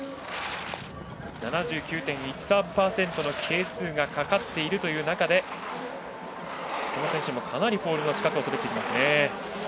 ７９．１３％の係数がかかっているという中でこの選手もかなりポールの近くを滑る。